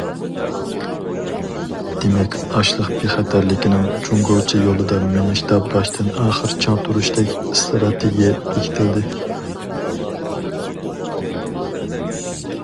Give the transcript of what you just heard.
دېمەك، ئاشلىق بىخەتەرلىكىنىڭ جۇڭگوچە يولىدا مېڭىشتا باشتىن- ئاخىر چىڭ تۇرۇشتەك ئىستراتېگىيە بېكىتىلدى.